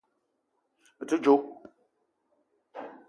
Me te djo